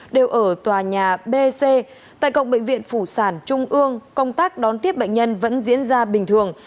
đều ở tòa nhà b c tại cộng bệnh viện phủ sản trung ương công tác đón tiếp bệnh nhân vẫn diễn ra bình thường